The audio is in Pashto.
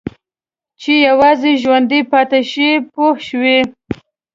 چې یوازې ژوندي پاتې شي پوه شوې!.